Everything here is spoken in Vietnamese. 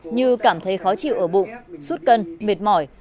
như cảm thấy khó chịu ở bụng suốt cân mệt mỏi